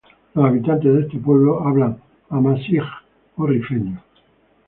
Los habitantes de este pueblo hablan amazigh o rifeño.